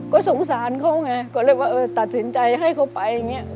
ก็สงสารเขาไงก็เลยว่าเออตัดสินใจให้เขาไปอย่างนี้